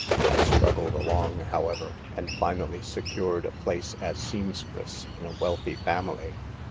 I struggled along, however, and finally secured a place as seamstress in a wealthy family.